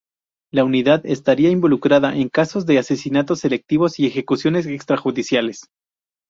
La unidad estaría involucrada en casos de asesinatos selectivos y ejecuciones extrajudiciales.